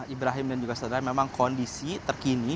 ibrahim dan juga saudara memang kondisi terkini